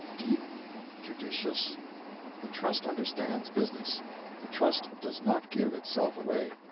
Deep? Judicious? The Trust understands business. The Trust does not give itself away.